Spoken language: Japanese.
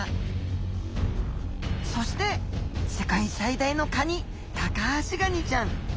そして世界最大のカニタカアシガニちゃん。